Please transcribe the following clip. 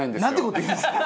事言うんですか！